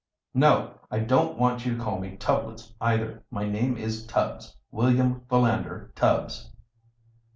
"No, I don't want you to call me Tubblets either. My name is Tubbs William Philander Tubbs."